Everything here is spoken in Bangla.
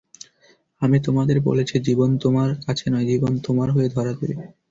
আমি তোমাদের বলেছি, জীবন তোমার কাছে নয়, জীবন তোমার হয়ে ধরা দেবে।